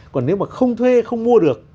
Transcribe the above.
còn nếu mà không thuê không mua được